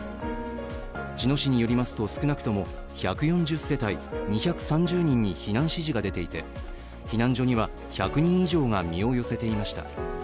茅野市によりますと、少なくとも１４０世帯２３０人に避難指示が出ていて避難所には１００人以上が身を寄せていました。